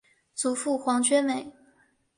祖父黄厥美。